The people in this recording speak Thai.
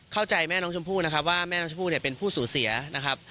แม่น้องชมพู่นะครับว่าแม่น้องชมพู่เนี่ยเป็นผู้สูญเสียนะครับ